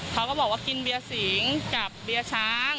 เขาก็บอกว่ากินเบียร์สิงกับเบียร์ช้าง